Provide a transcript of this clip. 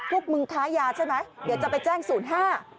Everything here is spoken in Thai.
พวกมึงค้ายาใช่ไหมเดี๋ยวจะไปแจ้งศูนย์ห้า